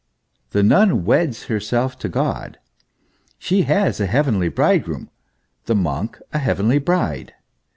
The nun weds herself to God ; she has a heavenly bridegroom, the monk a heavenly bride.